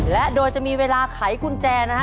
และโดยจะมีเวลาไขกุญแจนะฮะ